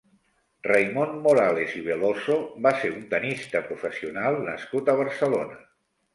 Raimon Morales i Veloso va ser un tennista professional nascut a Barcelona.